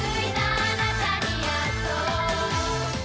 「あなたにやっと、」